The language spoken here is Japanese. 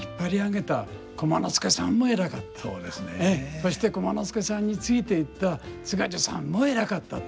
そして駒之助さんについていった津賀寿さんも偉かったと。